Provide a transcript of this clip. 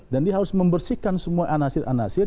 dia harus membersihkan semua anasir anasir